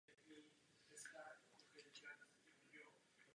Po zkouškách byl přidělen jako praktikant k Velkému soudnímu dvoru.